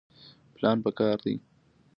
پلان پکار دی